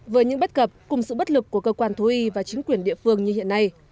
với những bất cập cùng sự bất lực của cơ quan thú y và chính quyền địa phương như hiện nay